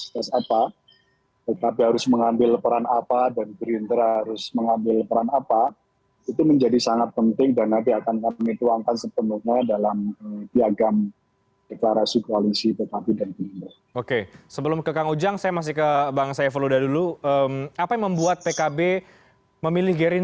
tapi memang yang kita bahas di dalam berbagai pertemuan